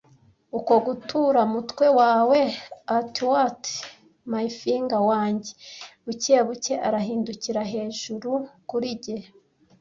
Uko gutura mutwe wawe athwart mafyinga wanjye bukebuke arahindukira hejuru kuri jye,